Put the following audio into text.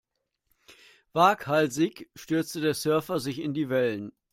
Waghalsig stürzte der Surfer sich in die Wellen.